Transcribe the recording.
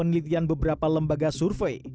penelitian beberapa lembaga survei